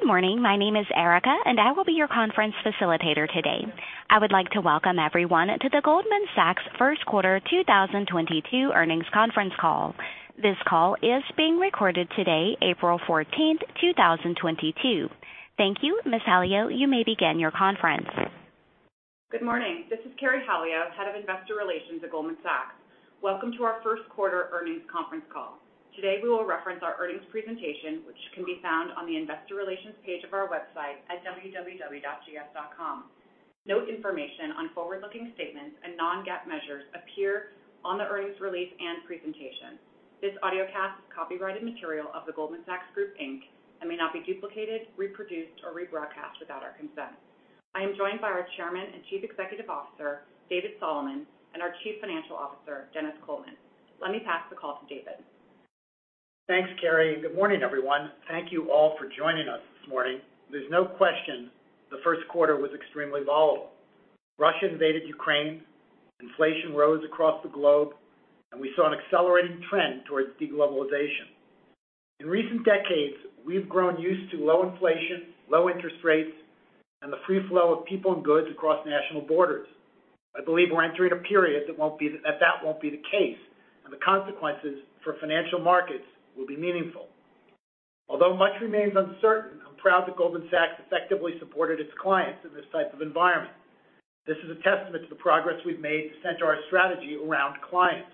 Good morning. My name is Erica, and I will be your conference facilitator today. I would like to welcome everyone to the Goldman Sachs first quarter 2022 earnings conference call. This call is being recorded today, April 14, 2022. Thank you. Ms. Halio, you may begin your conference. Good morning. This is Carey Halio, Head of Investor Relations at Goldman Sachs. Welcome to our first quarter earnings conference call. Today, we will reference our earnings presentation, which can be found on the investor relations page of our website at www.gs.com. Note information on forward-looking statements and non-GAAP measures appear on the earnings release and presentation. This audiocast is copyrighted material of The Goldman Sachs Group, Inc. may not be duplicated, reproduced, or rebroadcast without our consent. I am joined by our Chairman and Chief Executive Officer, David Solomon, and our Chief Financial Officer, Denis Coleman. Let me pass the call to David. Thanks, Carey. Good morning, everyone. Thank you all for joining us this morning. There's no question the first quarter was extremely volatile. Russia invaded Ukraine, inflation rose across the globe, and we saw an accelerating trend towards de-globalization. In recent decades, we've grown used to low inflation, low interest rates, and the free flow of people and goods across national borders. I believe we're entering a period that won't be the case, and the consequences for financial markets will be meaningful. Although much remains uncertain, I'm proud that Goldman Sachs effectively supported its clients in this type of environment. This is a testament to the progress we've made to center our strategy around clients.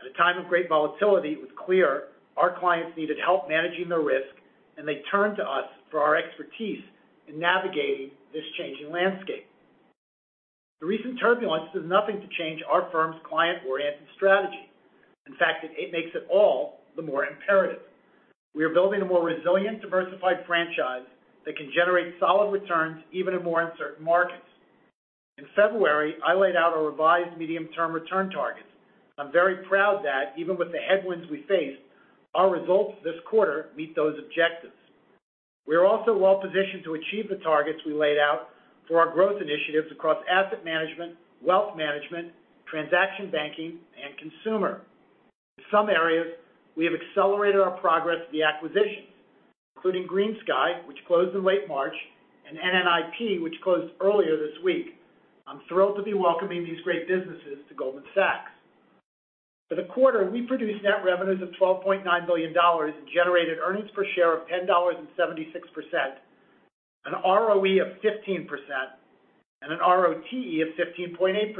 At a time of great volatility, it was clear our clients needed help managing their risk, and they turned to us for our expertise in navigating this changing landscape. The recent turbulence does nothing to change our firm's client-oriented strategy. In fact, it makes it all the more imperative. We are building a more resilient, diversified franchise that can generate solid returns even in more uncertain markets. In February, I laid out a revised medium-term return targets. I'm very proud that even with the headwinds we face, our results this quarter meet those objectives. We are also well-positioned to achieve the targets we laid out for our growth initiatives across asset management, wealth management, transaction banking, and consumer. In some areas, we have accelerated our progress on the acquisitions, including GreenSky, which closed in late March, and NNIP, which closed earlier this week. I'm thrilled to be welcoming these great businesses to Goldman Sachs. For the quarter, we produced net revenues of $12.9 billion and generated earnings per share of $10.76, an ROE of 15% and an ROTE of 15.8%.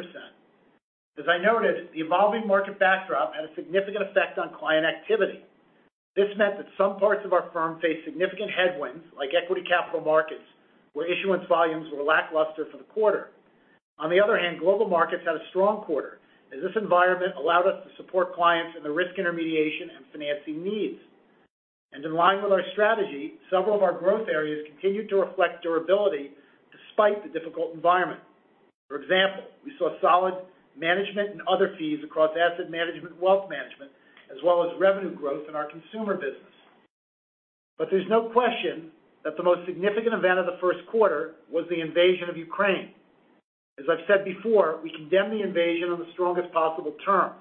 As I noted, the evolving market backdrop had a significant effect on client activity. This meant that some parts of our firm faced significant headwinds, like equity capital markets, where issuance volumes were lackluster for the quarter. On the other hand, global markets had a strong quarter, as this environment allowed us to support clients in the risk intermediation and financing needs. In line with our strategy, several of our growth areas continued to reflect durability despite the difficult environment. For example, we saw solid management and other fees across asset management, wealth management, as well as revenue growth in our consumer business. There's no question that the most significant event of the first quarter was the invasion of Ukraine. As I've said before, we condemn the invasion on the strongest possible terms,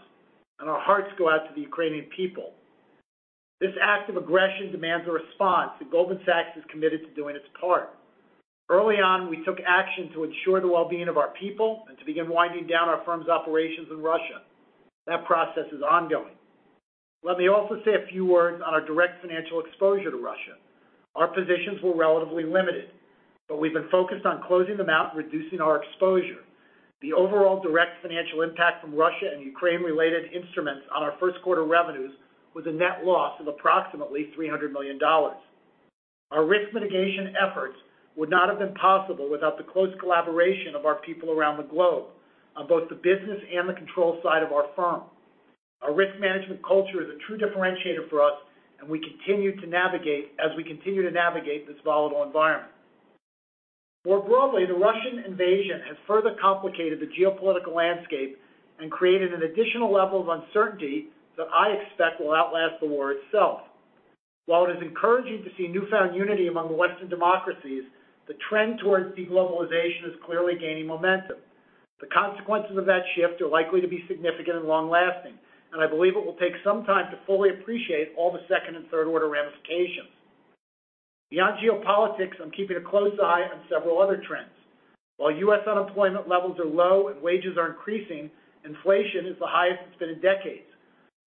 and our hearts go out to the Ukrainian people. This act of aggression demands a response, and Goldman Sachs is committed to doing its part. Early on, we took action to ensure the well-being of our people and to begin winding down our firm's operations in Russia. That process is ongoing. Let me also say a few words on our direct financial exposure to Russia. Our positions were relatively limited, but we've been focused on closing them out and reducing our exposure. The overall direct financial impact from Russia and Ukraine-related instruments on our first quarter revenues was a net loss of approximately $300 million. Our risk mitigation efforts would not have been possible without the close collaboration of our people around the globe on both the business and the control side of our firm. Our risk management culture is a true differentiator for us, and we continue to navigate this volatile environment. More broadly, the Russian invasion has further complicated the geopolitical landscape and created an additional level of uncertainty that I expect will outlast the war itself. While it is encouraging to see newfound unity among the Western democracies, the trend towards de-globalization is clearly gaining momentum. The consequences of that shift are likely to be significant and long-lasting, and I believe it will take some time to fully appreciate all the second and third-order ramifications. Beyond geopolitics, I'm keeping a close eye on several other trends. While U.S. unemployment levels are low and wages are increasing, inflation is the highest it's been in decades.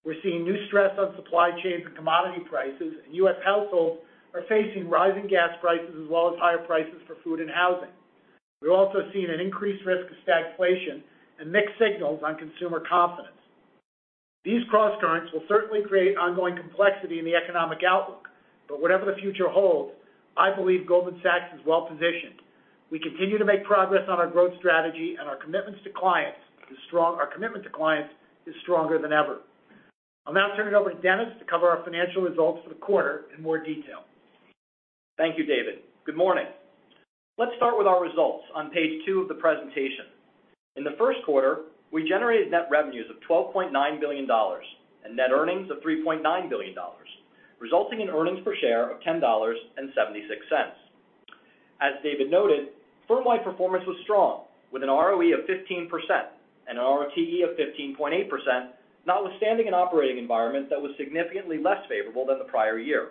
We're seeing new stress on supply chains and commodity prices, and U.S. households are facing rising gas prices as well as higher prices for food and housing. We're also seeing an increased risk of stagflation and mixed signals on consumer confidence. These crosscurrents will certainly create ongoing complexity in the economic outlook. Whatever the future holds, I believe Goldman Sachs is well-positioned. We continue to make progress on our growth strategy and our commitments to clients is strong. Our commitment to clients is stronger than ever. I'll now turn it over to Denis to cover our financial results for the quarter in more detail. Thank you, David. Good morning. Let's start with our results on page two of the presentation. In the first quarter, we generated net revenues of $12.9 billion and net earnings of $3.9 billion, resulting in earnings per share of $10.76. As David noted, firm-wide performance was strong, with an ROE of 15% and an ROTE of 15.8%, notwithstanding an operating environment that was significantly less favorable than the prior year.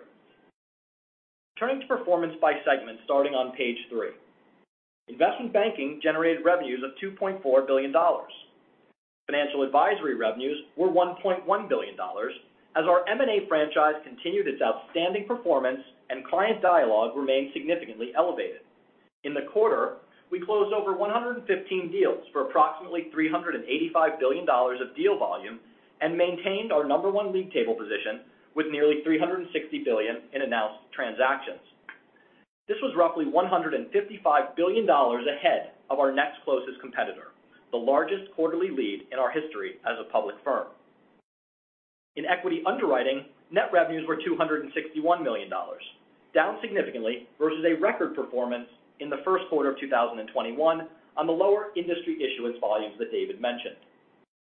Turning to performance by segment starting on page three. Investment banking generated revenues of $2.4 billion. Financial advisory revenues were $1.1 billion, as our M&A franchise continued its outstanding performance and client dialogue remained significantly elevated. In the quarter, we closed over 115 deals for approximately $385 billion of deal volume and maintained our number one league table position with nearly $360 billion in announced transactions. This was roughly $155 billion ahead of our next closest competitor, the largest quarterly lead in our history as a public firm. In equity underwriting, net revenues were $261 million, down significantly versus a record performance in the first quarter of 2021 on the lower industry issuance volumes that David mentioned.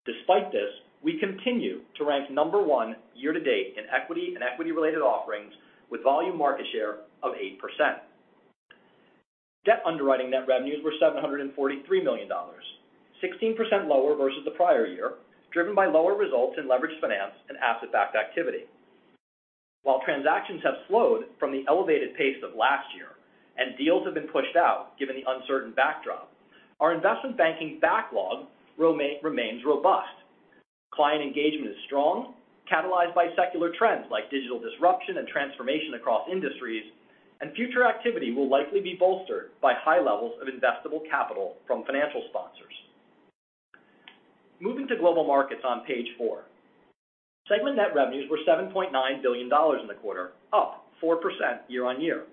Despite this, we continue to rank number one year to date in equity and equity-related offerings with volume market share of 8%. Debt underwriting net revenues were $743 million, 16% lower versus the prior year, driven by lower results in leveraged finance and asset-backed activity. While transactions have slowed from the elevated pace of last year and deals have been pushed out given the uncertain backdrop, our investment banking backlog remains robust. Client engagement is strong, catalyzed by secular trends like digital disruption and transformation across industries, and future activity will likely be bolstered by high levels of investable capital from financial sponsors. Moving to global markets on page four. Segment net revenues were $7.9 billion in the quarter, up 4% year-over-year.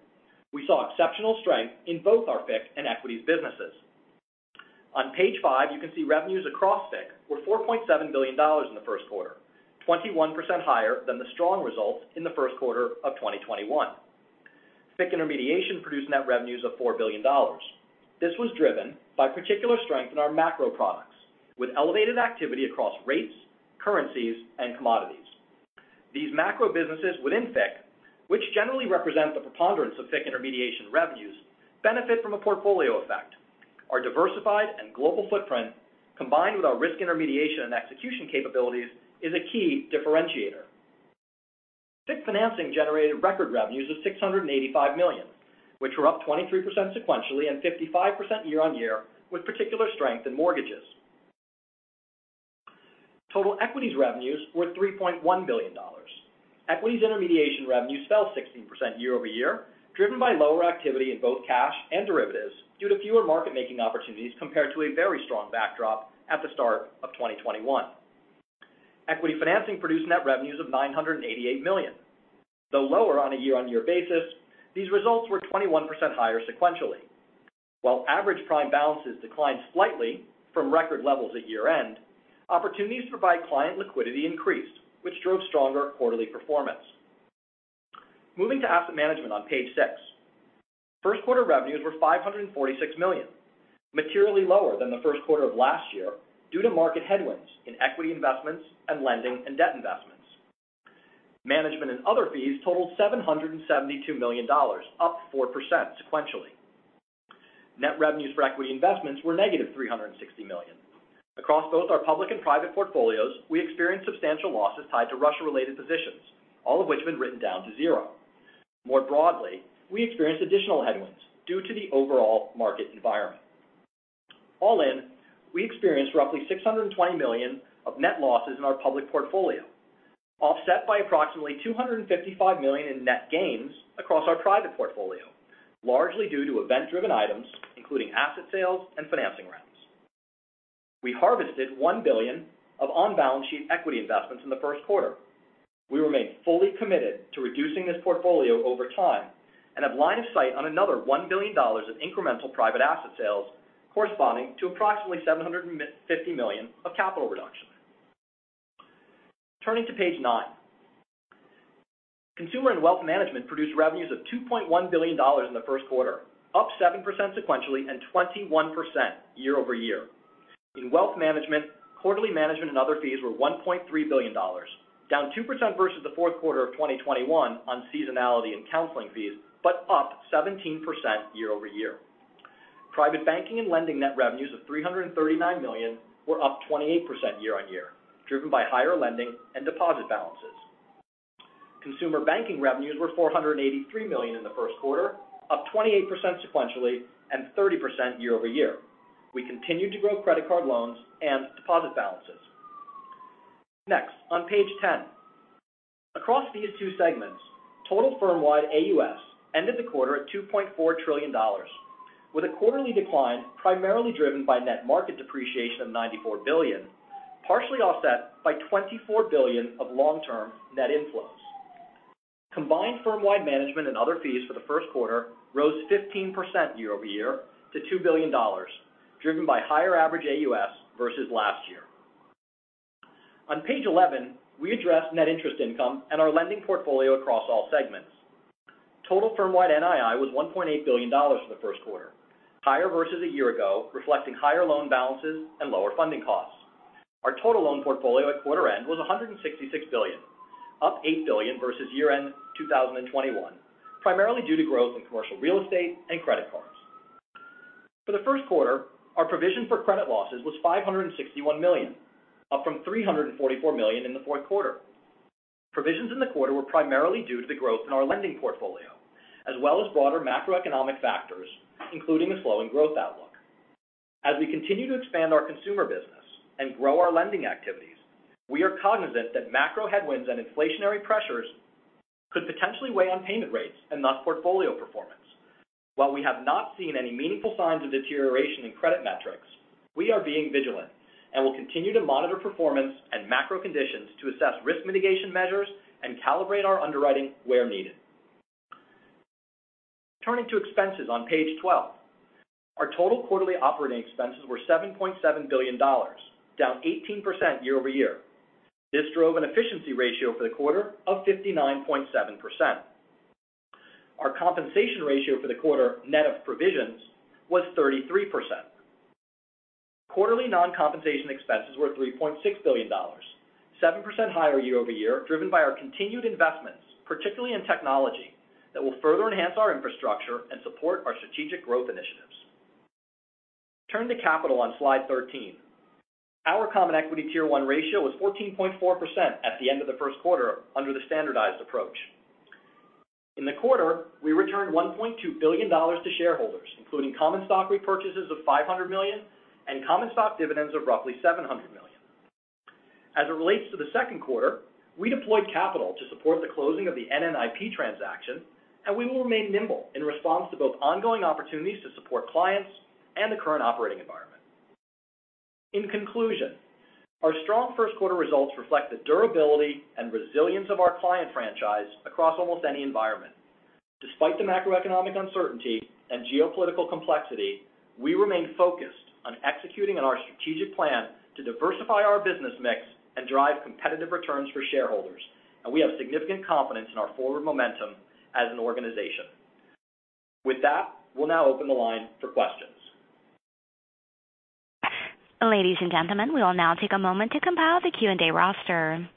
We saw exceptional strength in both our FIC and equities businesses. On page five, you can see revenues across FIC were $4.7 billion in the first quarter, 21% higher than the strong results in the first quarter of 2021. FIC intermediation produced net revenues of $4 billion. This was driven by particular strength in our macro products with elevated activity across rates, currencies, and commodities. These macro businesses within FIC, which generally represent the preponderance of FIC intermediation revenues, benefit from a portfolio effect. Our diversified and global footprint, combined with our risk intermediation and execution capabilities, is a key differentiator. FICC financing generated record revenues of $685 million, which were up 23% sequentially and 55% year-on-year with particular strength in mortgages. Total equities revenues were $3.1 billion. Equities intermediation revenues fell 16% year-over-year, driven by lower activity in both cash and derivatives due to fewer market making opportunities compared to a very strong backdrop at the start of 2021. Equity financing produced net revenues of $988 million. Though lower on a year-on-year basis, these results were 21% higher sequentially. While average prime balances declined slightly from record levels at year-end, opportunities to provide client liquidity increased, which drove stronger quarterly performance. Moving to asset management on page 6. First quarter revenues were $546 million, materially lower than the first quarter of last year due to market headwinds in equity investments and lending and debt investments. Management and other fees totaled $772 million, up 4% sequentially. Net revenues for equity investments were -$360 million. Across both our public and private portfolios, we experienced substantial losses tied to Russia-related positions, all of which have been written down to zero. More broadly, we experienced additional headwinds due to the overall market environment. All in, we experienced roughly $620 million of net losses in our public portfolio, offset by approximately $255 million in net gains across our private portfolio, largely due to event-driven items, including asset sales and financing rounds. We harvested $1 billion of on-balance sheet equity investments in the first quarter. We remain fully committed to reducing this portfolio over time and have line of sight on another $1 billion of incremental private asset sales corresponding to approximately $750 million of capital reduction. Turning to page nine. Consumer and Wealth Management produced revenues of $2.1 billion in the first quarter, up 7% sequentially and 21% year-over-year. In Wealth Management, quarterly management and other fees were $1.3 billion, down 2% versus the fourth quarter of 2021 on seasonality and counseling fees, but up 17% year-over-year. Private Banking and Lending net revenues of $339 million were up 28% year-over-year, driven by higher lending and deposit balances. Consumer banking revenues were $483 million in the first quarter, up 28% sequentially and 30% year-over-year. We continued to grow credit card loans and deposit balances. Next, on page 10. Across these two segments, total firm-wide AUS ended the quarter at $2.4 trillion, with a quarterly decline primarily driven by net market depreciation of $94 billion, partially offset by $24 billion of long-term net inflows. Combined firm-wide management and other fees for the first quarter rose 15% year-over-year to $2 billion, driven by higher average AUS versus last year. On page 11, we address net interest income and our lending portfolio across all segments. Total firm-wide NII was $1.8 billion for the first quarter, higher versus a year ago, reflecting higher loan balances and lower funding costs. Our total loan portfolio at quarter end was $166 billion, up $8 billion versus year-end 2021, primarily due to growth in commercial real estate and credit cards. For the first quarter, our provision for credit losses was $561 million, up from $344 million in the fourth quarter. Provisions in the quarter were primarily due to the growth in our lending portfolio, as well as broader macroeconomic factors, including a slowing growth outlook. We continue to expand our consumer business and grow our lending activities. We are cognizant that macro headwinds and inflationary pressures could potentially weigh on payment rates and thus portfolio performance. While we have not seen any meaningful signs of deterioration in credit metrics, we are being vigilant and will continue to monitor performance and macro conditions to assess risk mitigation measures and calibrate our underwriting where needed. Turning to expenses on page 12. Our total quarterly operating expenses were $7.7 billion, down 18% year over year. This drove an efficiency ratio for the quarter of 59.7%. Our compensation ratio for the quarter, net of provisions, was 33%. Quarterly non-compensation expenses were $3.6 billion, 7% higher year over year, driven by our continued investments, particularly in technology, that will further enhance our infrastructure and support our strategic growth initiatives. Turning to capital on slide 13. Our Common Equity Tier 1 ratio was 14.4% at the end of the first quarter under the standardized approach. In the quarter, we returned $1.2 billion to shareholders, including common stock repurchases of $500 million and common stock dividends of roughly $700 million. As it relates to the second quarter, we deployed capital to support the closing of the NNIP transaction, and we will remain nimble in response to both ongoing opportunities to support clients and the current operating environment. In conclusion, our strong first quarter results reflect the durability and resilience of our client franchise across almost any environment. Despite the macroeconomic uncertainty and geopolitical complexity, we remain focused on executing on our strategic plan to diversify our business mix and drive competitive returns for shareholders, and we have significant confidence in our forward momentum as an organization. With that, we'll now open the line for questions. Ladies and gentlemen, we will now take a moment to compile the Q&A roster.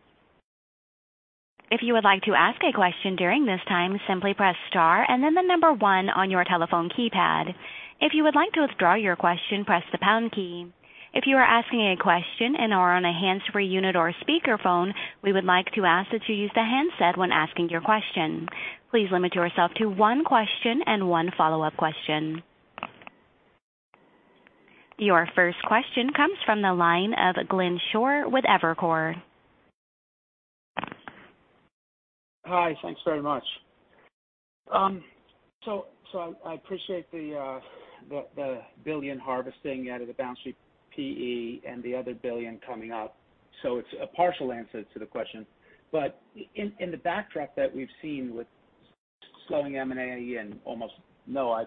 If you would like to ask a question during this time, simply press star and then the number one on your telephone keypad. If you would like to withdraw your question, press the pound key. If you are asking a question and are on a hands-free unit or speakerphone, we would like to ask that you use the handset when asking your question. Please limit yourself to one question and one follow-up question. Your first question comes from the line of Glenn Schorr with Evercore. Hi. Thanks very much. I appreciate the $1 billion harvesting out of the balance sheet PE and the other $1 billion coming up. It's a partial answer to the question. In the backdrop that we've seen with slowing M&A and almost no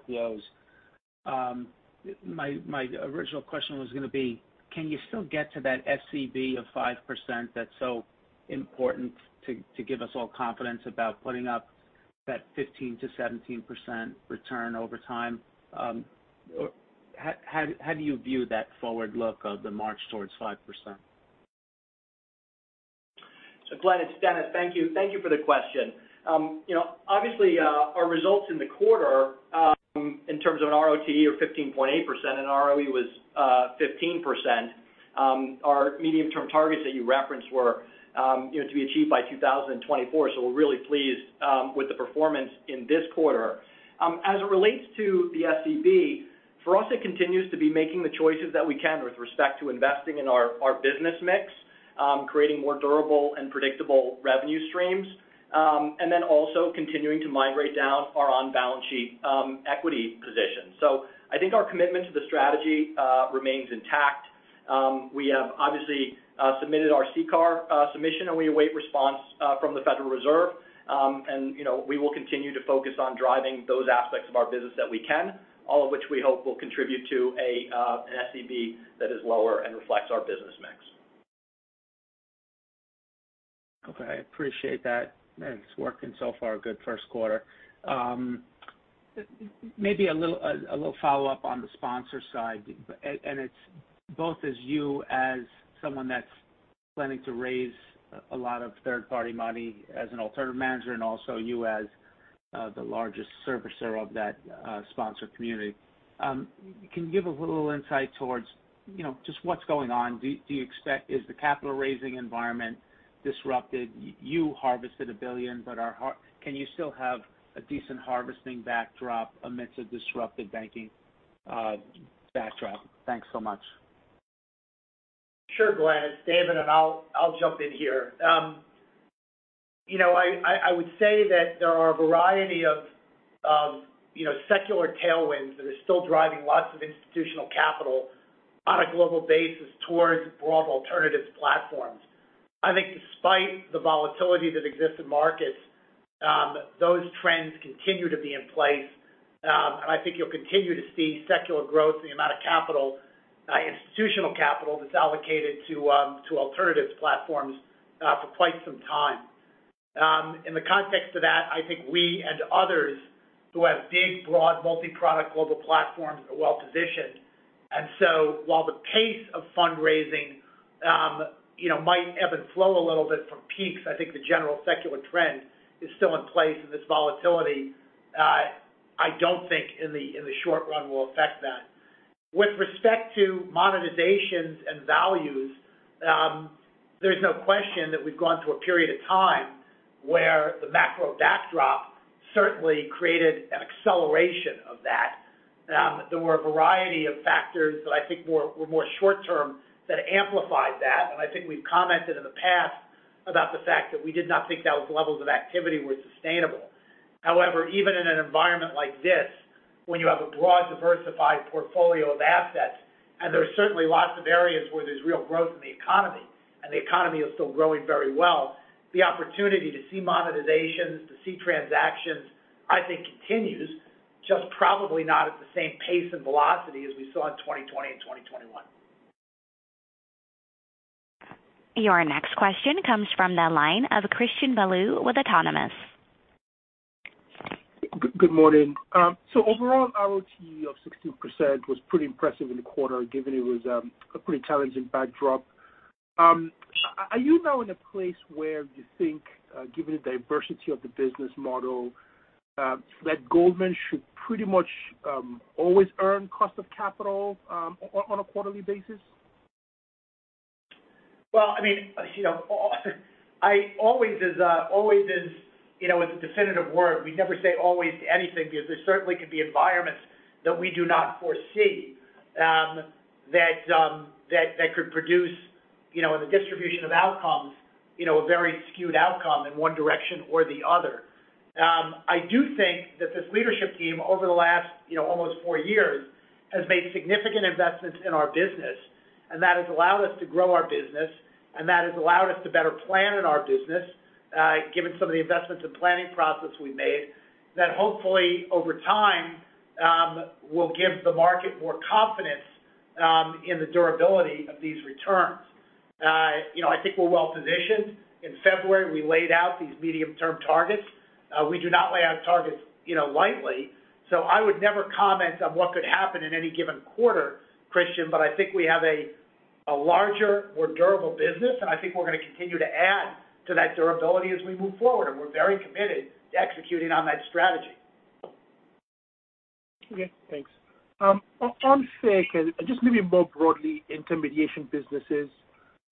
IPOs, my original question was going to be, can you still get to that SCB of 5% that's so important to give us all confidence about putting up that 15%-17% return over time? How do you view that forward look of the march towards 5%? Glenn, it's Denis. Thank you for the question. You know, obviously, our results in the quarter in terms of a ROTE of 15.8% and ROE was 15%, our medium-term targets that you referenced were, you know, to be achieved by 2024. We're really pleased with the performance in this quarter. As it relates to the SCB, for us, it continues to be making the choices that we can with respect to investing in our business mix, creating more durable and predictable revenue streams, and then also continuing to migrate down our on-balance sheet equity position. I think our commitment to the strategy remains intact. We have obviously submitted our CCAR submission, and we await response from the Federal Reserve. you know, we will continue to focus on driving those aspects of our business that we can, all of which we hope will contribute to an SCB that is lower and reflects our business mix. Okay. I appreciate that. It's working so far. Good first quarter. Maybe a little follow-up on the sponsor side, and it's both as you as someone that's planning to raise a lot of third-party money as an alternative manager and also you as the largest servicer of that sponsor community. Can you give a little insight towards, you know, just what's going on? Is the capital raising environment disrupted? You harvested $1 billion, but can you still have a decent harvesting backdrop amidst a disrupted banking backdrop? Thanks so much. Sure, Glenn. It's David, and I'll jump in here. You know, I would say that there are a variety of, you know, secular tailwinds that are still driving lots of institutional capital on a global basis towards broad alternatives platforms. I think despite the volatility that exists in markets, those trends continue to be in place. I think you'll continue to see secular growth in the amount of capital, institutional capital that's allocated to alternatives platforms, for quite some time. In the context of that, I think we and others who have big, broad multi-product global platforms are well-positioned. While the pace of fundraising, you know, might ebb and flow a little bit from peaks, I think the general secular trend is still in place. This volatility, I don't think in the short run will affect that. With respect to monetizations and values, there's no question that we've gone through a period of time where the macro backdrop certainly created an acceleration of that. There were a variety of factors that I think were more short-term that amplified that. I think we've commented in the past about the fact that we did not think those levels of activity were sustainable. However, even in an environment like this, when you have a broad diversified portfolio of assets, and there are certainly lots of areas where there's real growth in the economy, and the economy is still growing very well, the opportunity to see monetizations, to see transactions, I think continues just probably not at the same pace and velocity as we saw in 2020 and 2021. Your next question comes from the line of Christian Bolu with Autonomous. Good morning. Overall ROTE of 16% was pretty impressive in the quarter, given it was a pretty challenging backdrop. Are you now in a place where you think, given the diversity of the business model, that Goldman should pretty much always earn cost of capital on a quarterly basis? Well, I mean, you know, always is a definitive word. We never say always to anything because there certainly could be environments that we do not foresee, that could produce, you know, in the distribution of outcomes, you know, a very skewed outcome in one direction or the other. I do think that this leadership team over the last, you know, almost four years has made significant investments in our business, and that has allowed us to grow our business, and that has allowed us to better plan our business, given some of the investments and planning process we made, that hopefully over time, will give the market more confidence, in the durability of these returns. You know, I think we're well-positioned. In February, we laid out these medium-term targets. We do not lay out targets, you know, lightly. So I would never comment on what could happen in any given quarter, Christian, but I think we have a larger, more durable business, and I think we're gonna continue to add to that durability as we move forward. We're very committed to executing on that strategy. Okay, thanks. On FICC and just maybe more broadly, intermediation businesses,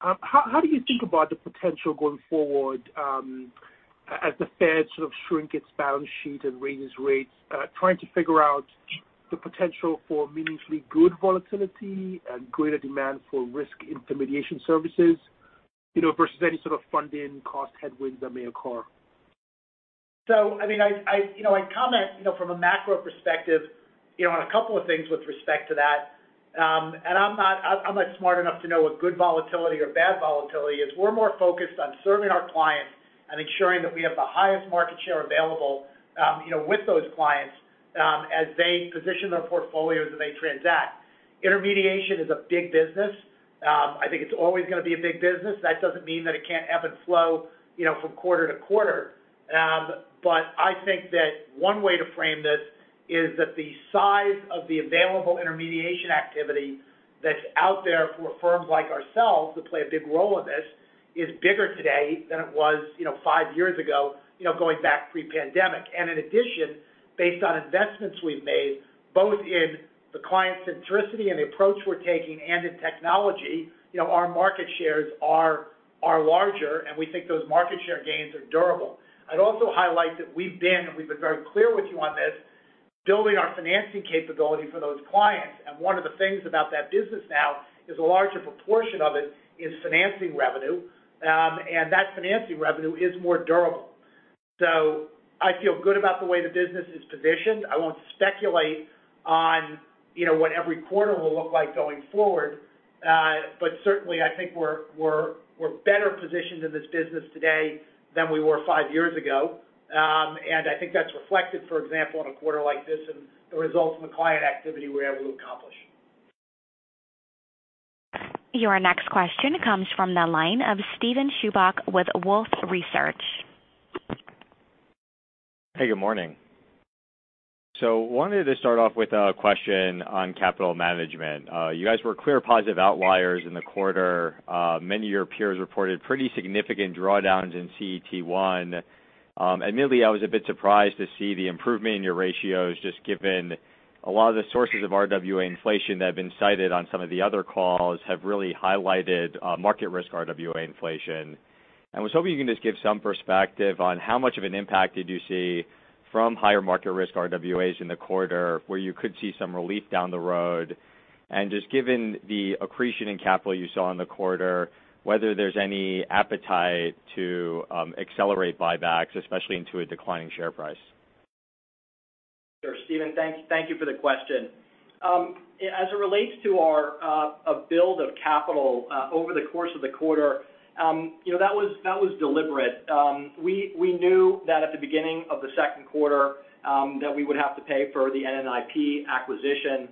how do you think about the potential going forward, as the Fed sort of shrink its balance sheet and raises rates, trying to figure out the potential for meaningfully good volatility and greater demand for risk intermediation services, you know, versus any sort of funding cost headwinds that may occur? I mean, you know, I'd comment, you know, from a macro perspective, you know, on a couple of things with respect to that. I'm not smart enough to know what good volatility or bad volatility is. We're more focused on serving our clients and ensuring that we have the highest market share available, you know, with those clients, as they position their portfolios and they transact. Intermediation is a big business. I think it's always gonna be a big business. That doesn't mean that it can't ebb and flow, you know, from quarter to quarter. I think that one way to frame this is that the size of the available intermediation activity that's out there for firms like ourselves to play a big role in this is bigger today than it was, you know, five years ago, you know, going back pre-pandemic. In addition, based on investments we've made, both in the client centricity and the approach we're taking and in technology, you know, our market shares are larger, and we think those market share gains are durable. I'd also highlight that we've been very clear with you on this, building our financing capability for those clients. One of the things about that business now is a larger proportion of it is financing revenue, and that financing revenue is more durable. I feel good about the way the business is positioned. I won't speculate on, you know, what every quarter will look like going forward. Certainly I think we're better positioned in this business today than we were five years ago. I think that's reflected, for example, in a quarter like this and the results and the client activity we're able to accomplish. Your next question comes from the line of Steven Chubak with Wolfe Research. Hey, good morning. Wanted to start off with a question on capital management. You guys were clear positive outliers in the quarter. Many of your peers reported pretty significant drawdowns in CET1. Admittedly, I was a bit surprised to see the improvement in your ratios, just given a lot of the sources of RWA inflation that have been cited on some of the other calls have really highlighted market risk RWA inflation. I was hoping you can just give some perspective on how much of an impact did you see from higher market risk RWAs in the quarter, where you could see some relief down the road? Just given the accretion in capital you saw in the quarter, whether there's any appetite to accelerate buybacks, especially into a declining share price? Sure. Steven, thank you for the question. As it relates to our build of capital over the course of the quarter. You know, that was deliberate. We knew that at the beginning of the second quarter that we would have to pay for the NNIP acquisition.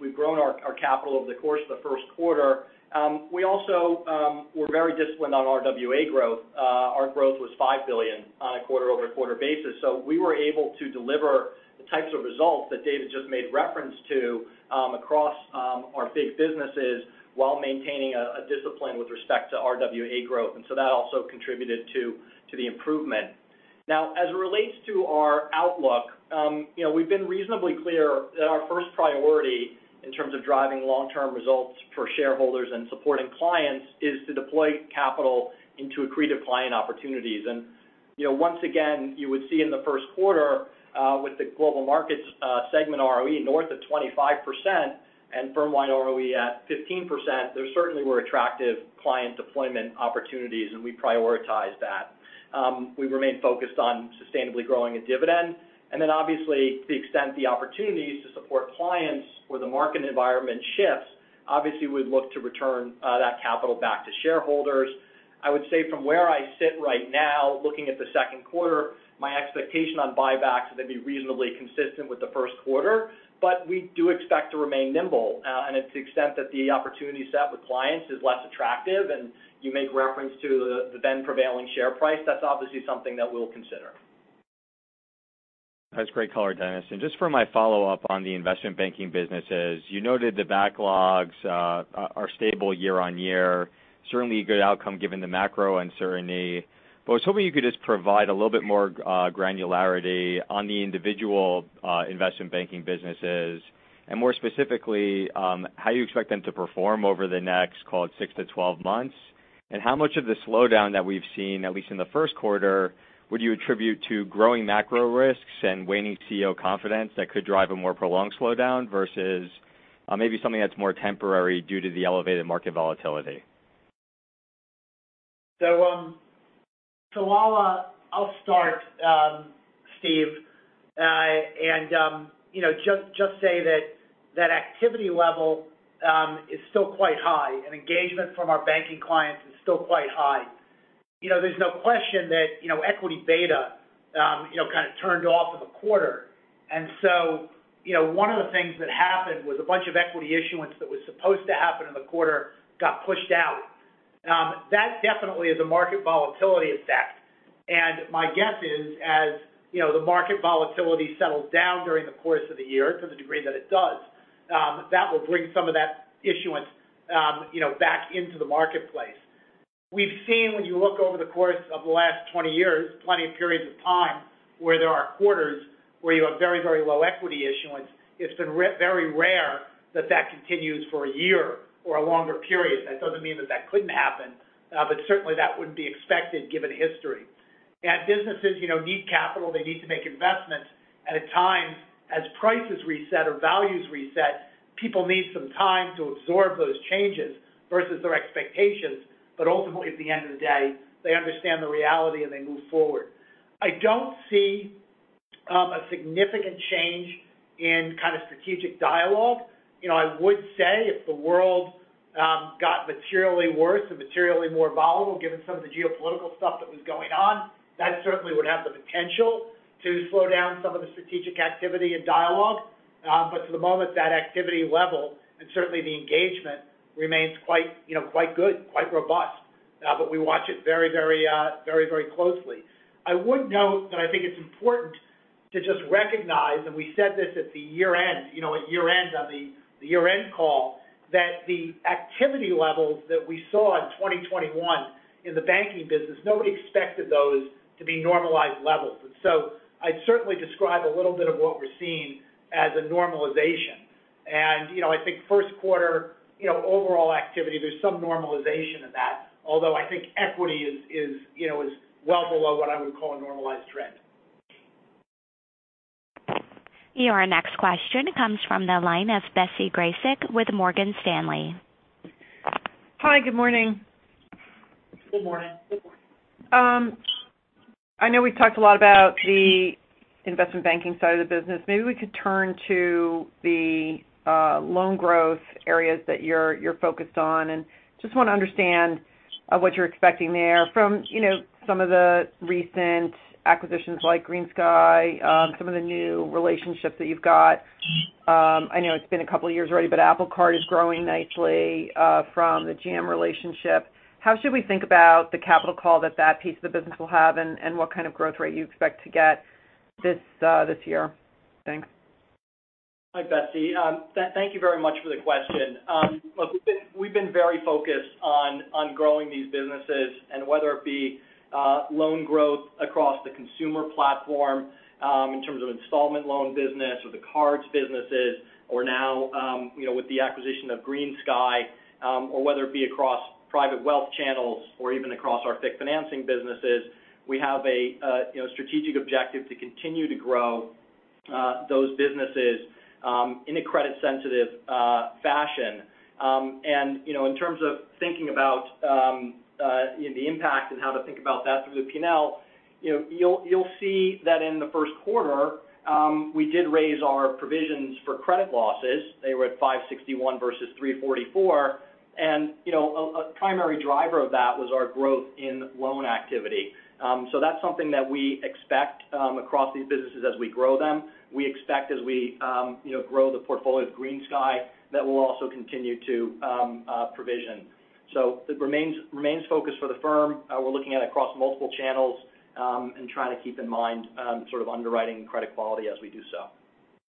We've grown our capital over the course of the first quarter. We also were very disciplined on RWA growth. Our growth was $5 billion on a quarter-over-quarter basis. We were able to deliver the types of results that David just made reference to across our big businesses while maintaining a discipline with respect to RWA growth. That also contributed to the improvement. Now, as it relates to our outlook, you know, we've been reasonably clear that our first priority in terms of driving long-term results for shareholders and supporting clients is to deploy capital into accretive client opportunities. You know, once again, you would see in the first quarter, with the global markets segment ROE north of 25% and firm-wide ROE at 15%, there certainly were attractive client deployment opportunities, and we prioritize that. We remain focused on sustainably growing a dividend. Obviously, to the extent the opportunities to support clients where the market environment shifts, obviously we'd look to return that capital back to shareholders. I would say from where I sit right now, looking at the second quarter, my expectation on buybacks is they'd be reasonably consistent with the first quarter. We do expect to remain nimble, and to the extent that the opportunity set with clients is less attractive, and you make reference to the then prevailing share price. That's obviously something that we'll consider. That's great color, Denis. Just for my follow-up on the investment banking businesses, you noted the backlogs are stable year-over-year. Certainly a good outcome given the macro uncertainty. I was hoping you could just provide a little bit more granularity on the individual investment banking businesses. More specifically, how you expect them to perform over the next, call it six to 12 months. How much of the slowdown that we've seen, at least in the first quarter, would you attribute to growing macro risks and waning CEO confidence that could drive a more prolonged slowdown versus maybe something that's more temporary due to the elevated market volatility? I'll start, Steve, and you know, just say that activity level is still quite high, and engagement from our banking clients is still quite high. You know, there's no question that equity beta kind of turned off of a quarter. One of the things that happened was a bunch of equity issuance that was supposed to happen in the quarter got pushed out. That definitely is a market volatility effect. My guess is, as you know, the market volatility settles down during the course of the year to the degree that it does, that will bring some of that issuance back into the marketplace. We've seen when you look over the course of the last 20 years, plenty of periods of time where there are quarters where you have very, very low equity issuance. It's been very rare that that continues for a year or a longer period. That doesn't mean that that couldn't happen, but certainly that wouldn't be expected given history. Businesses, you know, need capital. They need to make investments at a time as prices reset or values reset, people need some time to absorb those changes versus their expectations. Ultimately, at the end of the day, they understand the reality, and they move forward. I don't see a significant change in kind of strategic dialogue. You know, I would say if the world got materially worse or materially more volatile, given some of the geopolitical stuff that was going on, that certainly would have the potential to slow down some of the strategic activity and dialogue. For the moment, that activity level, and certainly the engagement remains quite, you know, quite good, quite robust. We watch it very closely. I would note that I think it's important to just recognize, and we said this at the year-end, you know, at year-end on the year-end call, that the activity levels that we saw in 2021 in the banking business, nobody expected those to be normalized levels. I'd certainly describe a little bit of what we're seeing as a normalization. You know, I think first quarter, you know, overall activity, there's some normalization of that. Although I think equity is, you know, well below what I would call a normalized trend. Your next question comes from the line of Betsy Graseck with Morgan Stanley. Hi. Good morning. Good morning. I know we've talked a lot about the investment banking side of the business. Maybe we could turn to the loan growth areas that you're focused on. Just wanna understand what you're expecting there from, you know, some of the recent acquisitions like GreenSky, some of the new relationships that you've got. I know it's been a couple of years already, but Apple Card is growing nicely from the GM relationship. How should we think about the capital call that piece of the business will have, and what kind of growth rate you expect to get this year? Thanks. Hi, Betsy. Thank you very much for the question. Look, we've been very focused on growing these businesses. Whether it be loan growth across the consumer platform in terms of installment loan business or the cards businesses or now, you know, with the acquisition of GreenSky, or whether it be across private wealth channels or even across our debt financing businesses, we have a strategic objective to continue to grow those businesses in a credit sensitive fashion. You know, in terms of thinking about the impact and how to think about that through the P&L. You know, you'll see that in the first quarter, we did raise our provisions for credit losses. They were at $561 versus $344. You know, a primary driver of that was our growth in loan activity. That's something that we expect across these businesses as we grow them. We expect as we you know, grow the portfolio at GreenSky, that we'll also continue to provision. It remains focused for the firm. We're looking across multiple channels and trying to keep in mind sort of underwriting credit quality as we do so.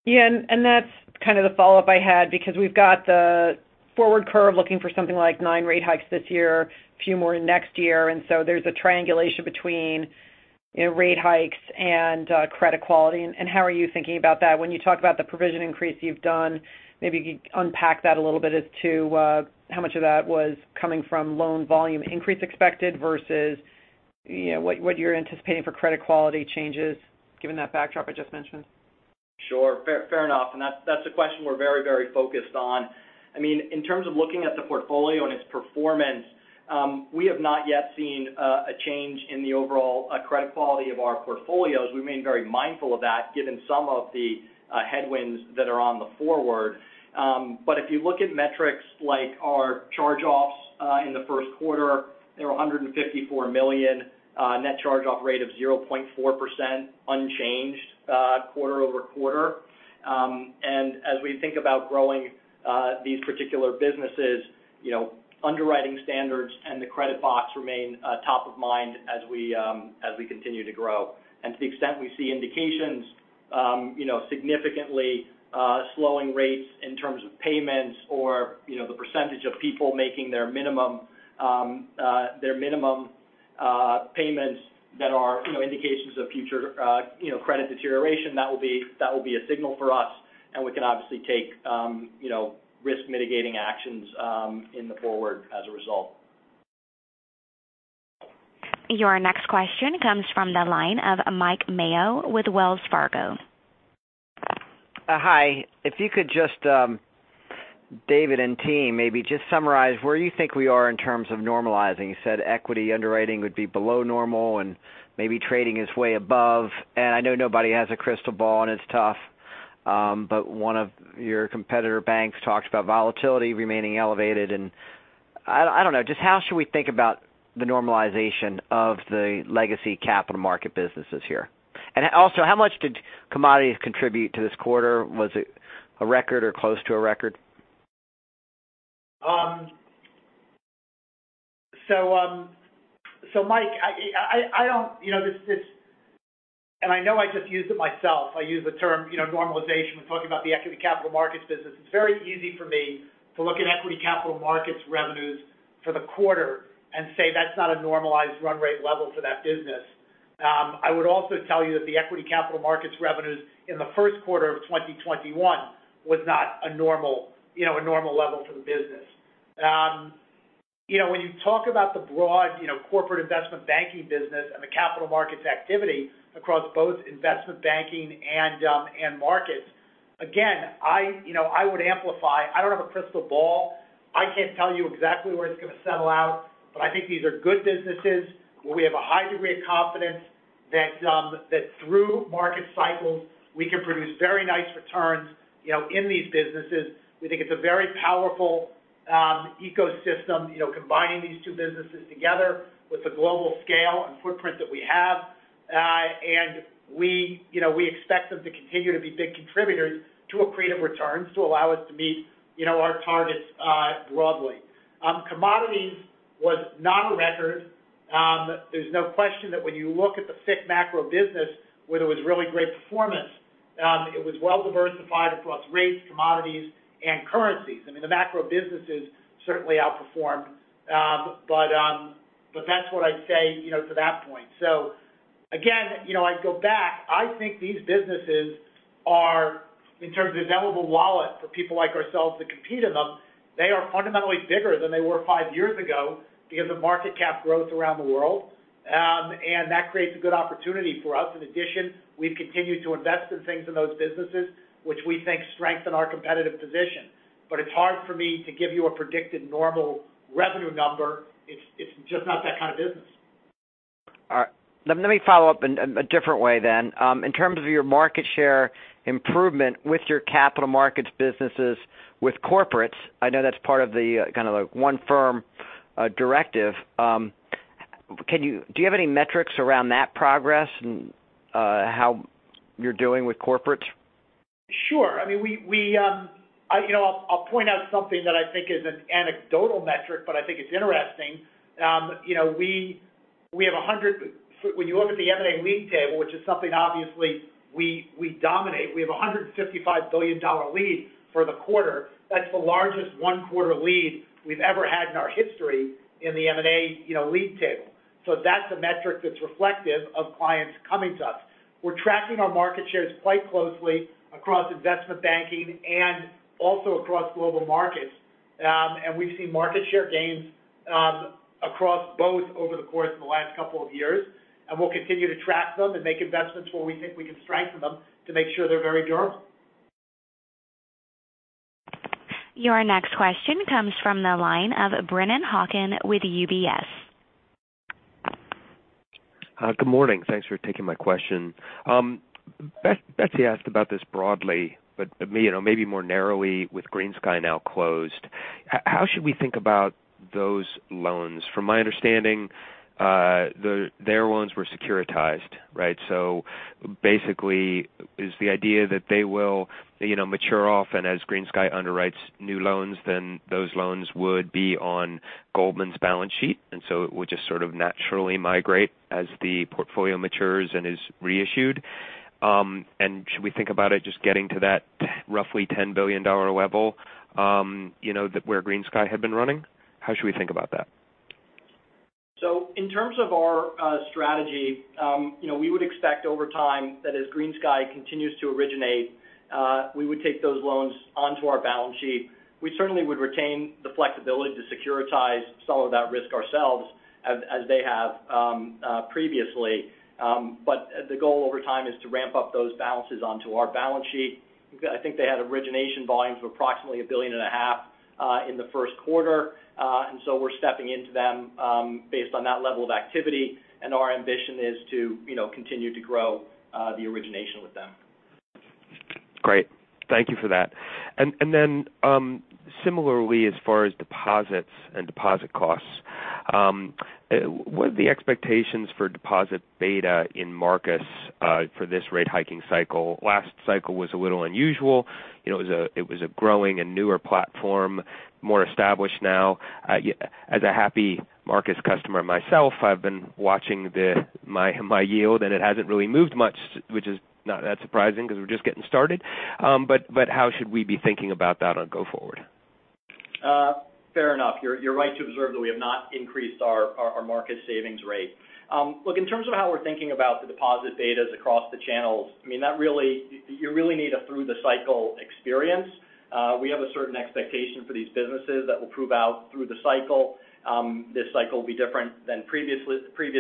Yeah. That's kind of the follow-up I had because we've got the forward curve looking for something like nine rate hikes this year, a few more in next year. There's a triangulation between, you know, rate hikes and credit quality. How are you thinking about that when you talk about the provision increase you've done? Maybe you could unpack that a little bit as to how much of that was coming from loan volume increase expected versus, you know, what you're anticipating for credit quality changes given that backdrop I just mentioned. Sure. Fair enough. That's a question we're very focused on. I mean, in terms of looking at the portfolio and its performance, we have not yet seen a change in the overall credit quality of our portfolios. We remain very mindful of that given some of the headwinds that are on the horizon. If you look at metrics like our charge-offs in the first quarter, they were $154 million net charge-off rate of 0.4% unchanged quarter-over-quarter. As we think about growing these particular businesses, you know, underwriting standards and the credit box remain top of mind as we continue to grow. To the extent we see indications, you know, significantly slowing rates in terms of payments or, you know, the percentage of people making their minimum payments that are, you know, indications of future, you know, credit deterioration, that will be a signal for us, and we can obviously take, you know, risk mitigating actions going forward as a result. Your next question comes from the line of Mike Mayo with Wells Fargo. Hi. If you could just, David and team, maybe just summarize where you think we are in terms of normalizing. You said equity underwriting would be below normal and maybe trading is way above. I know nobody has a crystal ball, and it's tough. One of your competitor banks talked about volatility remaining elevated. I don't know, just how should we think about the normalization of the legacy capital market businesses here? Also, how much did commodities contribute to this quarter? Was it a record or close to a record? Mike, I don't know this and I know I just used it myself. I use the term, you know, normalization when talking about the equity capital markets business. It's very easy for me to look at equity capital markets revenues for the quarter and say that's not a normalized run rate level for that business. I would also tell you that the equity capital markets revenues in the first quarter of 2021 were not a normal level for the business. You know, when you talk about the broad, you know, corporate investment banking business and the capital markets activity across both investment banking and markets, again, you know, I would amplify, I don't have a crystal ball. I can't tell you exactly where it's gonna settle out, but I think these are good businesses where we have a high degree of confidence that through market cycles, we can produce very nice returns, you know, in these businesses. We think it's a very powerful ecosystem, you know, combining these two businesses together with the global scale and footprint that we have. We expect them to continue to be big contributors to accretive returns to allow us to meet, you know, our targets, broadly. Commodities was not a record. There's no question that when you look at the FICC macro business, where there was really great performance, it was well diversified across rates, commodities, and currencies. I mean, the macro businesses certainly outperformed. That's what I'd say, you know, to that point. Again, you know, I'd go back. I think these businesses are, in terms of available wallet for people like ourselves to compete in them, they are fundamentally bigger than they were five years ago because of market cap growth around the world. That creates a good opportunity for us. In addition, we've continued to invest in things in those businesses which we think strengthen our competitive position. It's hard for me to give you a predicted normal revenue number. It's just not that kind of business. All right. Let me follow up in a different way then. In terms of your market share improvement with your capital markets businesses with corporates, I know that's part of the, kind of the one firm directive. Do you have any metrics around that progress and how you're doing with corporates? Sure. I mean, you know, I'll point out something that I think is an anecdotal metric, but I think it's interesting. When you look at the M&A league table, which is something obviously we dominate, we have a $155 billion lead for the quarter. That's the largest one-quarter lead we've ever had in our history in the M&A, you know, league table. That's a metric that's reflective of clients coming to us. We're tracking our market shares quite closely across investment banking and also across global markets. We've seen market share gains across both over the course of the last couple of years, and we'll continue to track them and make investments where we think we can strengthen them to make sure they're very durable. Your next question comes from the line of Brennan Hawken with UBS. Good morning. Thanks for taking my question. Betsy asked about this broadly, but maybe more narrowly with GreenSky now closed. How should we think about those loans? From my understanding, their loans were securitized, right? So basically is the idea that they will, you know, mature off and as GreenSky underwrites new loans, then those loans would be on Goldman's balance sheet, and so it would just sort of naturally migrate as the portfolio matures and is reissued. Should we think about it just getting to that roughly $10 billion level, you know, that where GreenSky had been running? How should we think about that? In terms of our strategy, you know, we would expect over time that as GreenSky continues to originate, we would take those loans onto our balance sheet. We certainly would retain the flexibility to securitize some of that risk ourselves as they have previously. The goal over time is to ramp up those balances onto our balance sheet. I think they had origination volumes of approximately $1.5 billion in the first quarter. We're stepping into them based on that level of activity, and our ambition is to, you know, continue to grow the origination with them. Great. Thank you for that. Then, similarly, as far as deposits and deposit costs, what are the expectations for deposit beta in Marcus for this rate hiking cycle? Last cycle was a little unusual. You know, it was a growing and newer platform, more established now. Yeah, as a happy Marcus customer myself, I've been watching my yield, and it hasn't really moved much, which is not that surprising because we're just getting started. But how should we be thinking about that going forward? Fair enough. You're right to observe that we have not increased our market savings rate. In terms of how we're thinking about the deposit betas across the channels, you really need a through the cycle experience. We have a certain expectation for these businesses that will prove out through the cycle. This cycle will be different than previous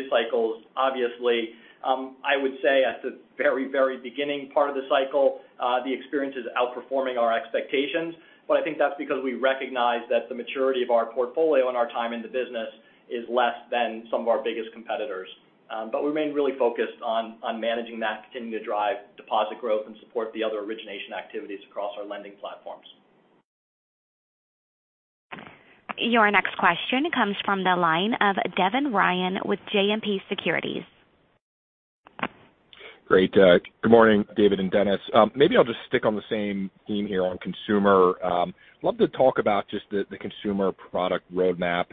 cycles, obviously. I would say at the very beginning part of the cycle, the experience is outperforming our expectations. I think that's because we recognize that the maturity of our portfolio and our time in the business is less than some of our biggest competitors. We remain really focused on managing that, continuing to drive deposit growth and support the other origination activities across our lending platforms. Your next question comes from the line of Devin Ryan with JMP Securities. Great. Good morning, David and Denis. Maybe I'll just stick on the same theme here on consumer. Love to talk about just the consumer product roadmap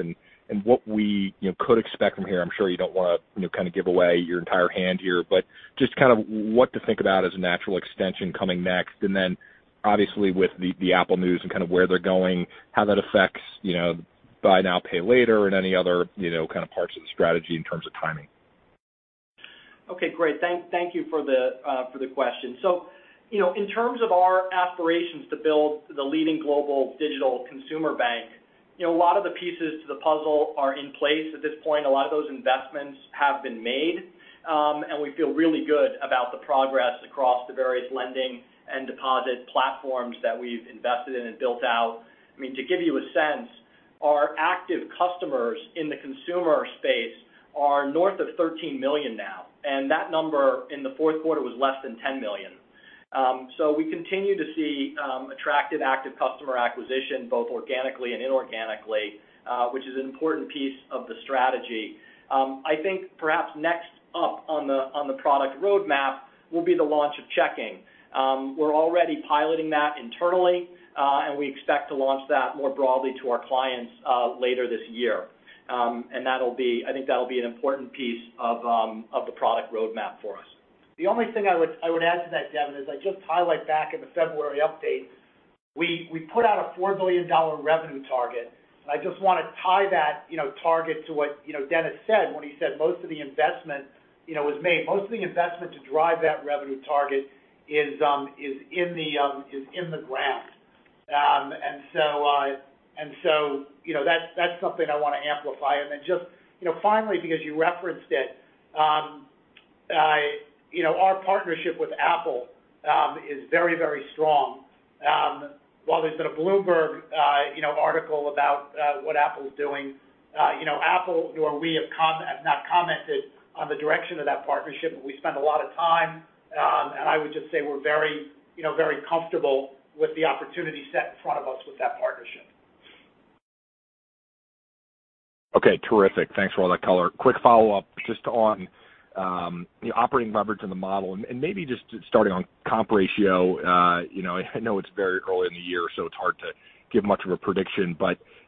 and what we could expect from here. I'm sure you don't wanna kind of give away your entire hand here, but just kind of what to think about as a natural extension coming next. Then obviously with the Apple news and kind of where they're going, how that affects buy now, pay later and any other kind of parts of the strategy in terms of timing. Okay, great. Thank you for the question. You know, in terms of our aspirations to build the leading global digital consumer bank, you know, a lot of the pieces to the puzzle are in place at this point. A lot of those investments have been made. We feel really good about the progress across the various lending and deposit platforms that we've invested in and built out. I mean, to give you a sense, our active customers in the consumer space are north of 13 million now, and that number in the fourth quarter was less than 10 million. We continue to see attractive active customer acquisition, both organically and inorganically, which is an important piece of the strategy. I think perhaps next up on the product roadmap will be the launch of checking. We're already piloting that internally, and we expect to launch that more broadly to our clients later this year. I think that'll be an important piece of the product roadmap for us. The only thing I would add to that, Devin, is I just highlight back in the February update, we put out a $4 billion revenue target, and I just wanna tie that, you know, target to what, you know, Denis said when he said most of the investment, you know, was made. Most of the investment to drive that revenue target is in the ground. You know, that's something I wanna amplify. Then just, you know, finally because you referenced it, you know, our partnership with Apple is very, very strong. While there's been a Bloomberg, you know, article about what Apple is doing, you know, Apple or we have not commented on the direction of that partnership, but we spend a lot of time, and I would just say we're very, you know, very comfortable with the opportunity set in front of us with that partnership. Okay, terrific. Thanks for all that color. Quick follow-up just on operating leverage in the model and maybe just starting on comp ratio. You know, I know it's very early in the year, so it's hard to give much of a prediction.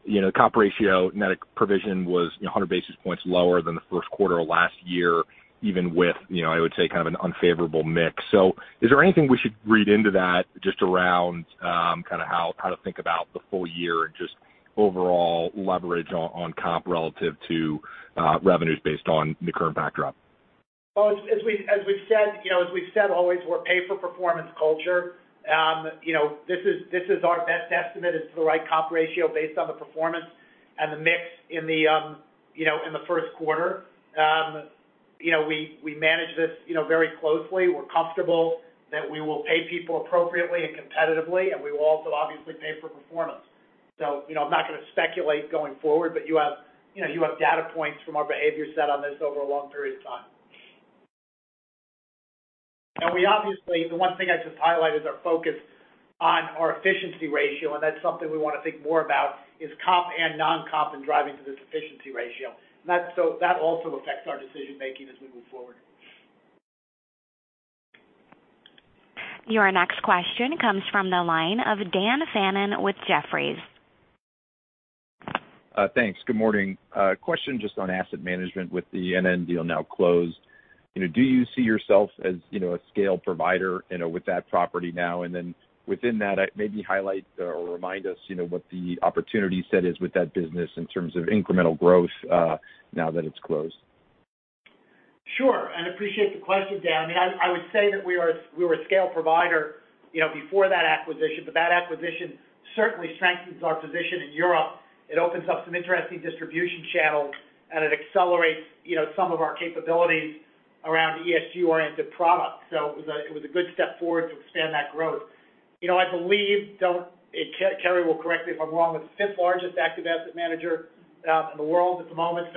You know, comp ratio net provision was 100 basis points lower than the first quarter of last year, even with, you know, I would say, kind of an unfavorable mix. Is there anything we should read into that just around kind of how to think about the full year and just overall leverage on comp relative to revenues based on the current backdrop? Well, as we've said, you know, always, we're a pay-for-performance culture. You know, this is our best estimate as to the right comp ratio based on the performance and the mix in the first quarter. You know, we manage this, you know, very closely. We're comfortable that we will pay people appropriately and competitively, and we will also obviously pay for performance. You know, I'm not gonna speculate going forward, but you have data points from our behavior set on this over a long period of time. We obviously, the one thing I just highlighted is our focus on our efficiency ratio, and that's something we wanna think more about is comp and non-comp and driving to this efficiency ratio. That also affects our decision-making as we move forward. Your next question comes from the line of Dan Fannon with Jefferies. Thanks. Good morning. Question just on asset management with the NNIP deal now closed. You know, do you see yourself as, you know, a scale provider, you know, with that property now? Within that, maybe highlight or remind us, you know, what the opportunity set is with that business in terms of incremental growth, now that it's closed. Sure. I appreciate the question, Dan. I would say that we're a scale provider, you know, before that acquisition, but that acquisition certainly strengthens our position in Europe. It opens up some interesting distribution channels, and it accelerates, you know, some of our capabilities around ESG-oriented products. It was a good step forward to expand that growth. You know, I believe Carey will correct me if I'm wrong, we're the fifth-largest active asset manager in the world at the moment.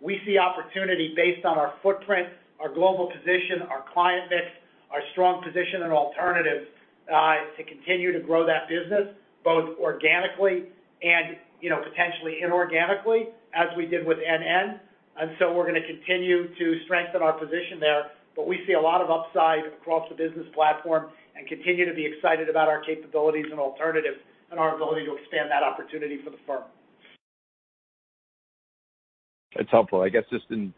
We see opportunity based on our footprint, our global position, our client mix, our strong position in alternatives, to continue to grow that business, both organically and, you know, potentially inorganically, as we did with NNIP. We're gonna continue to strengthen our position there. We see a lot of upside across the business platform and continue to be excited about our capabilities and alternatives and our ability to expand that opportunity for the firm. That's helpful. I guess just in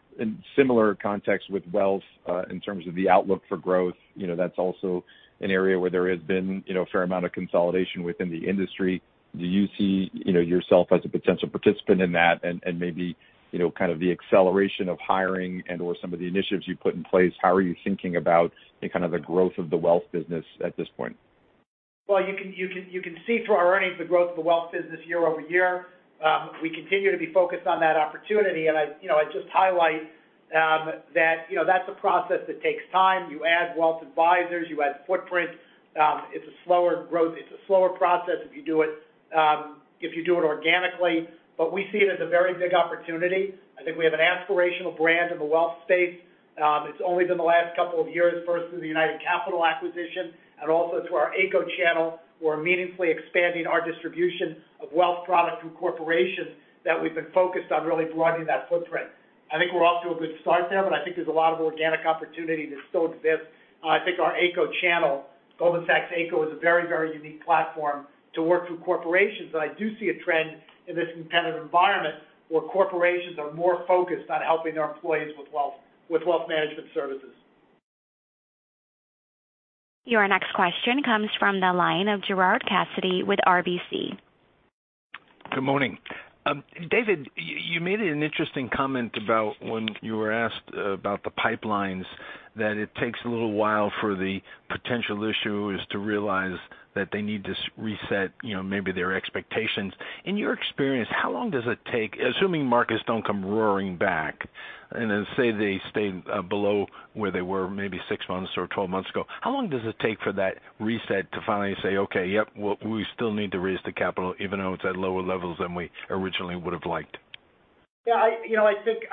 similar context with wealth in terms of the outlook for growth, you know, that's also an area where there has been, you know, a fair amount of consolidation within the industry. Do you see, you know, yourself as a potential participant in that? And maybe, you know, kind of the acceleration of hiring and/or some of the initiatives you put in place, how are you thinking about the kind of the growth of the wealth business at this point? Well, you can see through our earnings the growth of the wealth business year-over-year. We continue to be focused on that opportunity. I you know I'd just highlight that you know that's a process that takes time. You add wealth advisors, you add footprint. It's a slower growth. It's a slower process if you do it organically. We see it as a very big opportunity. I think we have an aspirational brand in the wealth space. It's only been the last couple of years versus the United Capital acquisition and also through our Ayco channel. We're meaningfully expanding our distribution of wealth product through corporations that we've been focused on really broadening that footprint. I think we're off to a good start there, but I think there's a lot of organic opportunity that still exists. I think our Ayco channel, Goldman Sachs Ayco, is a very, very unique platform to work through corporations. I do see a trend in this competitive environment where corporations are more focused on helping their employees with wealth, with wealth management services. Your next question comes from the line of Gerard Cassidy with RBC. Good morning. David, you made an interesting comment about when you were asked about the pipelines that it takes a little while for the potential issuers to realize that they need to reset, you know, maybe their expectations. In your experience, how long does it take, assuming markets don't come roaring back, and then say they stay below where they were maybe 6 months or 12 months ago, how long does it take for that reset to finally say, "Okay, yep, we still need to raise the capital even though it's at lower levels than we originally would have liked"? Yeah, you know, I think,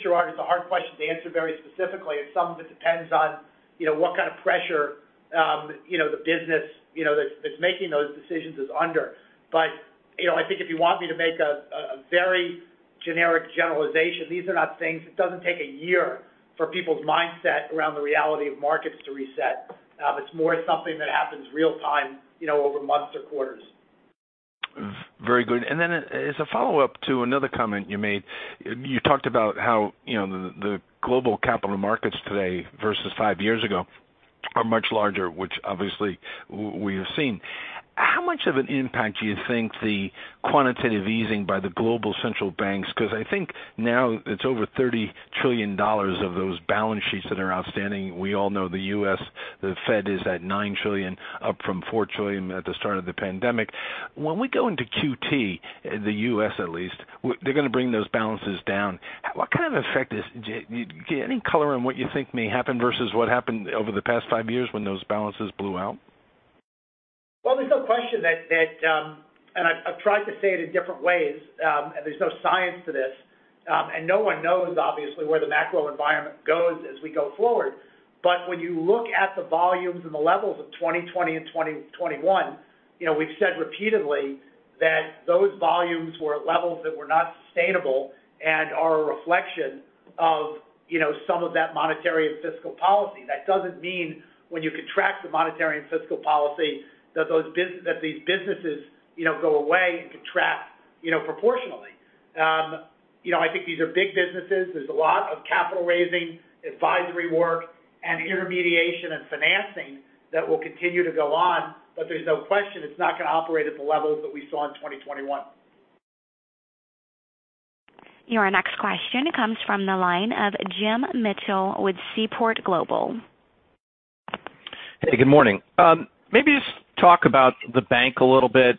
Gerard, it's a hard question to answer very specifically, and some of it depends on, you know, what kind of pressure, you know, the business, you know, that's making those decisions is under. You know, I think if you want me to make a very generic generalization, these are not things. It doesn't take a year for people's mindset around the reality of markets to reset. It's more something that happens real time, you know, over months or quarters. Very good. As a follow-up to another comment you made, you talked about how, you know, the global capital markets today versus 5 years ago are much larger, which obviously we have seen. How much of an impact do you think the quantitative easing by the global central banks, 'cause I think now it's over $30 trillion of those balance sheets that are outstanding. We all know the U.S., the Fed is at $9 trillion, up from $4 trillion at the start of the pandemic. When we go into QT, the U.S. at least, they're gonna bring those balances down. What kind of effect is. Do you get any color on what you think may happen versus what happened over the past 5 years when those balances blew out? Well, there's no question that I've tried to say it in different ways, and there's no science to this, and no one knows obviously where the macro environment goes as we go forward. When you look at the volumes and the levels of 2020 and 2021, you know, we've said repeatedly that those volumes were at levels that were not sustainable and are a reflection of, you know, some of that monetary and fiscal policy. That doesn't mean when you contract the monetary and fiscal policy that these businesses, you know, go away and contract, you know, proportionally. You know, I think these are big businesses. There's a lot of capital raising, advisory work, and intermediation and financing that will continue to go on. There's no question it's not gonna operate at the levels that we saw in 2021. Your next question comes from the line of Jim Mitchell with Seaport Global. Hey, good morning. Maybe just talk about the bank a little bit.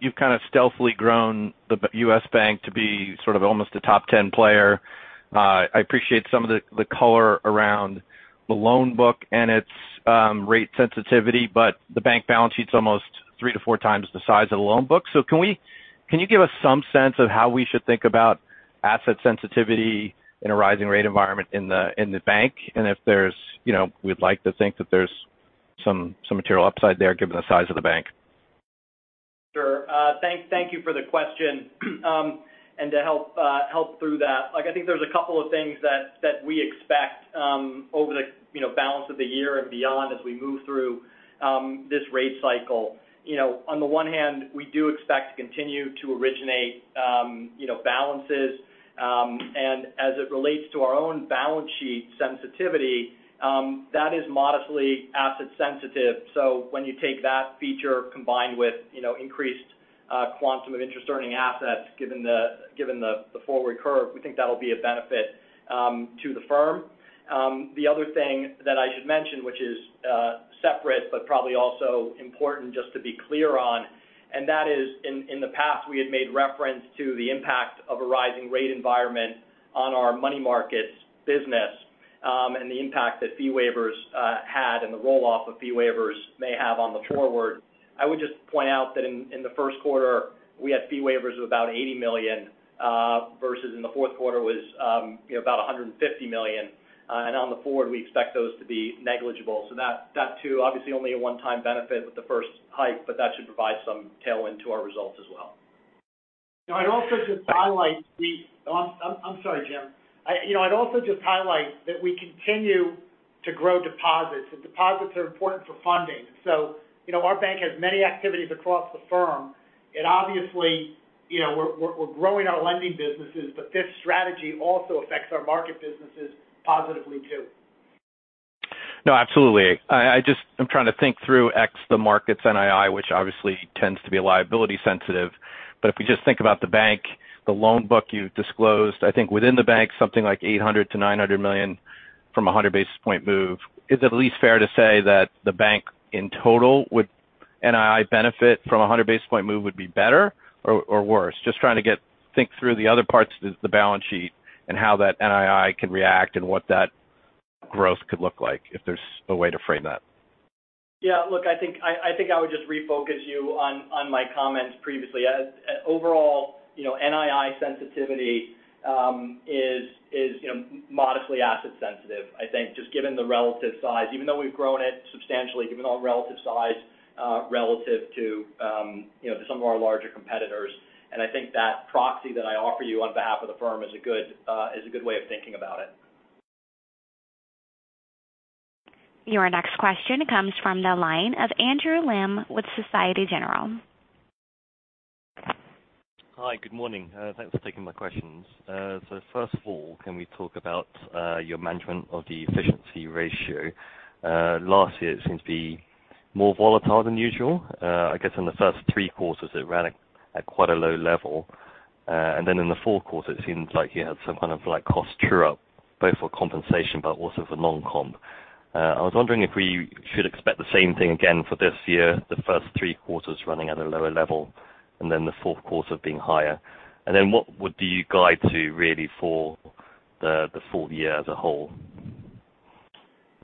You've kind of stealthily grown the U.S. Bank to be sort of almost a top 10 player. I appreciate some of the color around the loan book and its rate sensitivity, but the bank balance sheet's almost 3-4 times the size of the loan book. Can you give us some sense of how we should think about asset sensitivity in a rising rate environment in the bank? If there's, you know, we'd like to think that there's some material upside there given the size of the bank. Sure. Thank you for the question. To help through that, like I think there's a couple of things that we expect over the balance of the year and beyond as we move through this rate cycle. You know, on the one hand, we do expect to continue to originate you know, balances. As it relates to our own balance sheet sensitivity, that is modestly asset sensitive. When you take that feature combined with you know, increased quantum of interest earning assets, given the forward curve, we think that'll be a benefit to the firm. The other thing that I should mention, which is separate but probably also important just to be clear on, and that is in the past we had made reference to the impact of a rising rate environment on our money markets business, and the impact that fee waivers had and the roll off of fee waivers may have going forward. I would just point out that in the first quarter we had fee waivers of about $80 million versus in the fourth quarter was, you know, about $150 million. And going forward we expect those to be negligible. That too, obviously only a one-time benefit with the first hike, but that should provide some tailwind to our results as well. Oh, I'm sorry, Jim. You know, I'd also just highlight that we continue to grow deposits, and deposits are important for funding. You know, our bank has many activities across the firm. It obviously, you know, we're growing our lending businesses, but this strategy also affects our market businesses positively too. No, absolutely. I just. I'm trying to think through ex the markets NII, which obviously tends to be liability sensitive. If we just think about the bank, the loan book you've disclosed, I think within the bank something like $800 million-$900 million from a 100 basis point move. Is it at least fair to say that the bank in total would NII benefit from a 100 basis point move would be better or worse? Just trying to get to think through the other parts of the balance sheet and how that NII can react and what that growth could look like, if there's a way to frame that. Yeah. Look, I think I would just refocus you on my comments previously. As overall, you know, NII sensitivity is, you know, modestly asset sensitive. I think just given the relative size, even though we've grown it substantially, given our relative size relative to you know, some of our larger competitors. I think that proxy that I offer you on behalf of the firm is a good way of thinking about it. Your next question comes from the line of Andrew Lim with Societe Generale. Hi. Good morning. Thanks for taking my questions. So first of all, can we talk about your management of the efficiency ratio? Last year it seemed to be more volatile than usual. I guess in the first three quarters it ran at quite a low level. And then in the fourth quarter it seems like you had some kind of like cost true-up, both for compensation but also for non-comp. I was wondering if we should expect the same thing again for this year, the first three quarters running at a lower level and then the fourth quarter being higher. Then what would you guide to really for the full year as a whole?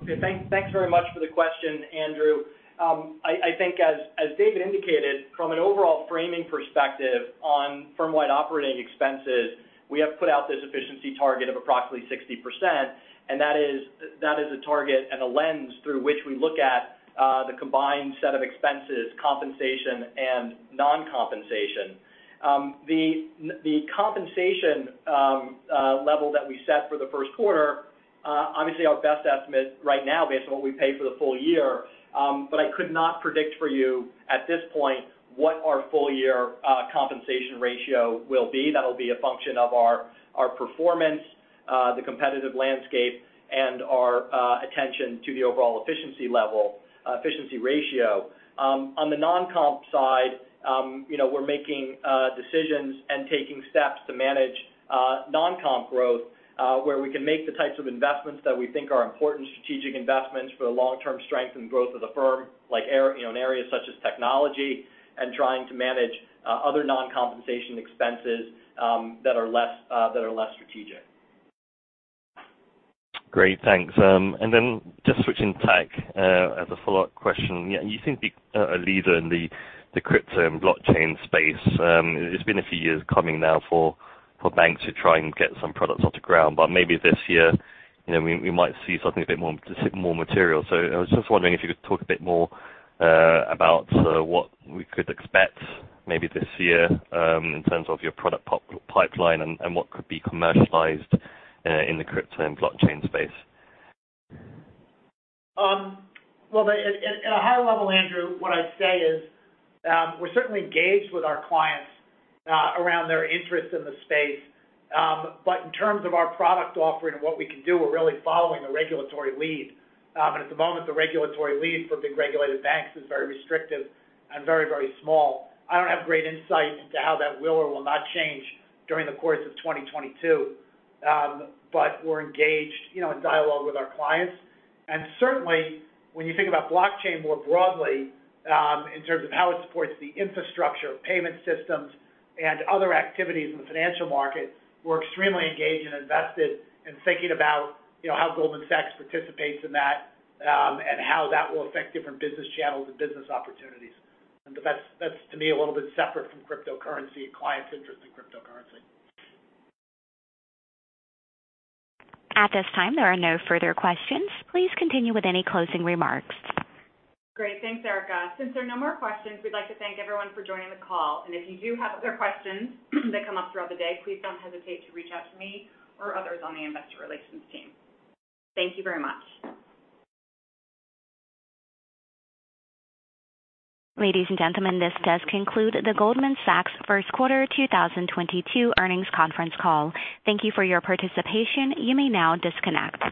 Okay. Thanks very much for the question, Andrew. I think as David indicated, from an overall framing perspective on firm-wide operating expenses, we have put out this efficiency target of approximately 60%, and that is a target and a lens through which we look at the combined set of expenses, compensation and non-compensation. The compensation level that we set for the first quarter obviously our best estimate right now based on what we pay for the full year, but I could not predict for you at this point what our full year compensation ratio will be. That'll be a function of our performance, the competitive landscape and our attention to the overall efficiency level, efficiency ratio. On the non-comp side, you know, we're making decisions and taking steps to manage non-comp growth, where we can make the types of investments that we think are important strategic investments for the long-term strength and growth of the firm, like you know, in areas such as technology and trying to manage other non-compensation expenses that are less strategic. Great. Thanks. Just switching tack as a follow-up question. You seem to be a leader in the crypto and blockchain space. It's been a few years coming now for banks to try and get some products off the ground, but maybe this year we might see something a bit more material. I was just wondering if you could talk a bit more about what we could expect maybe this year in terms of your product pipeline and what could be commercialized in the crypto and blockchain space. Well, at a high level, Andrew, what I'd say is, we're certainly engaged with our clients around their interest in the space. In terms of our product offering and what we can do, we're really following the regulatory lead. At the moment, the regulatory lead for big regulated banks is very restrictive and very small. I don't have great insight into how that will or will not change during the course of 2022. We're engaged, you know, in dialogue with our clients. Certainly when you think about blockchain more broadly, in terms of how it supports the infrastructure of payment systems and other activities in the financial market, we're extremely engaged and invested in thinking about, you know, how Goldman Sachs participates in that, and how that will affect different business channels and business opportunities. That's, to me, a little bit separate from cryptocurrency, clients' interest in cryptocurrency. At this time, there are no further questions. Please continue with any closing remarks. Great. Thanks, Erica. Since there are no more questions, we'd like to thank everyone for joining the call. If you do have other questions that come up throughout the day, please don't hesitate to reach out to me or others on the investor relations team. Thank you very much. Ladies and gentlemen, this does conclude the Goldman Sachs first quarter 2022 earnings conference call. Thank you for your participation. You may now disconnect.